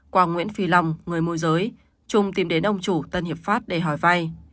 qua nguyễn phi lòng người mua giới trung tìm đến ông chủ tân hiệp pháp để hỏi vai